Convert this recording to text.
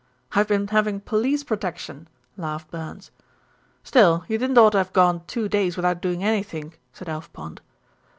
"I've been having police protection," laughed Burns. "Still, you didn't oughter have gone two days without doing anythink," said Alf Pond.